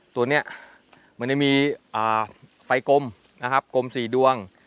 ตัวเนี้ยมันจะมีอ่าไฟกลมนะครับกลมสี่ดวง